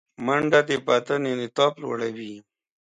منډه د بدن انعطاف لوړوي